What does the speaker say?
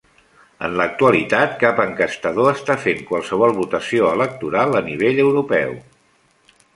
En l'actualitat, cap enquestador està fent qualsevol votació electoral a nivell europeu.